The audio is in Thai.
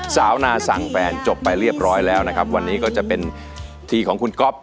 สาวนาสั่งแฟนจบไปเรียบร้อยแล้วนะครับวันนี้ก็จะเป็นทีของคุณก๊อฟ